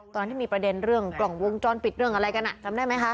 ตอนที่มีประเด็นเรื่องกล่องวงจรปิดเรื่องอะไรกันจำได้ไหมคะ